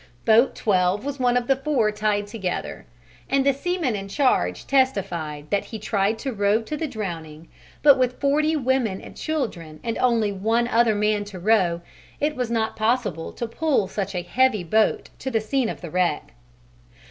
Boat 12 was one of the four tied together, and the seaman in charge testified that he tried to row to the drowning, but with forty women and children and only one other man to row, it was not possible to pull such a heavy boat to the scene of the wreck.